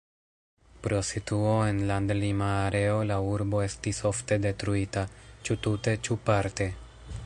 Pro situo en landlima areo la urbo estis ofte detruita ĉu tute ĉu parte.